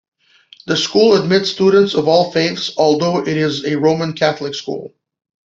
The school admits students of all faiths although it is a Roman Catholic school.